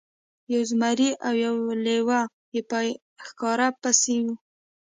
یو زمری او یو لیوه په یوه ښکار پسې وو.